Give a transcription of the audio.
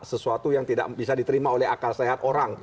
sesuatu yang tidak bisa diterima oleh akal sehat orang